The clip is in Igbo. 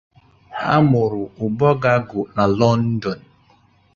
Amuru Ubogagu n'obodo London.